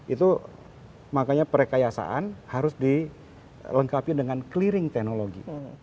itu makanya perkayasaan harus dilengkapi dengan clearing teknologi